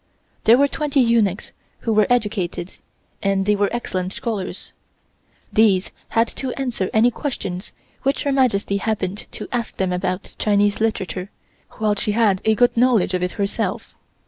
There were twenty eunuchs who were educated and they were excellent scholars. These had to answer any questions which Her Majesty happened to ask them about Chinese literature, while she had a good knowledge of it herself.